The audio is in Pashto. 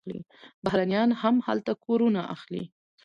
بهرنیان هم هلته کورونه اخلي.